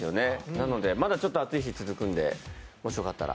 なので、まだちょっと暑い日、続くのでもしよかったら。